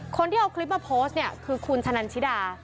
คนที่เอาคลิปมาโพสต์เนี่ยคือคุณชะนันชิดา